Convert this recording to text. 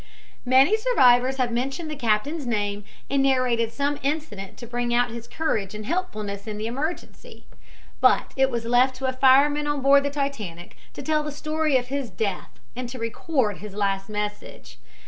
Many survivors have mentioned the captain's name and narrated some incident to bring out his courage and helpfulness in the emergency; but it was left to a fireman on board the Titanic to tell the story of his death and to record his last message.